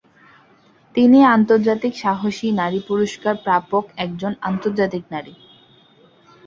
তিনি আন্তর্জাতিক সাহসী নারী পুরস্কার প্রাপক একজন আন্তর্জাতিক নারী।